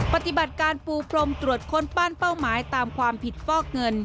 ปฏิบัติการปูพรมตรวจค้นปั้นเป้าหมายตามความผิดฟอกเงิน